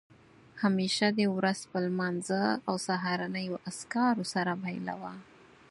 همېشه دې ورځ په لمانځه او سهارنیو اذکارو سره پیلوه